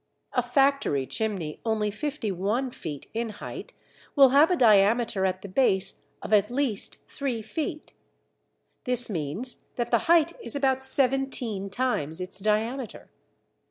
A factory chimney only 51 feet in height will have a diameter at the base of at least three feet. This means that the height is about seventeen times its diameter.